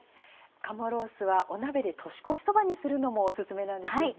鴨ロースはお鍋で年越しそばにするのもおすすめなんですよね？